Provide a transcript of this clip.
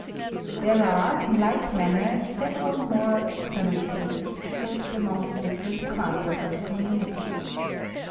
There are, in like manner, several moral escellencies distributed among the different classes of a community.